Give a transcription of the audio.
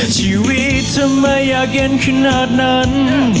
ชีวิตจะไม่ยากเล่นขนาดนั้น